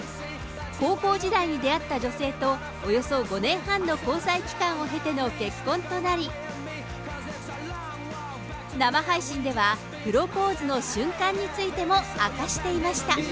高校時代に出会った女性とおよそ５年半の交際期間を経ての結婚となり、生配信では、プロポーズの瞬間についても明かしていました。